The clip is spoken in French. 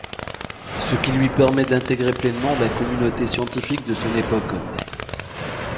Ce qui lui permet d'intégrer pleinement la communauté scientifique de son époque.